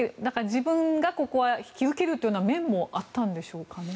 自分がここは引き受けるという面もあったんですかね。